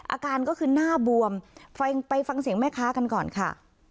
อาการก็คือหน้าบวมไปฟังเสียงแม่ค้ากันก่อนค่ะ